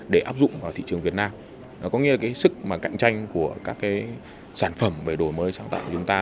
để áp dụng vào thị trường việt nam có nghĩa là sức cạnh tranh của các sản phẩm đổi mới sáng tạo của chúng ta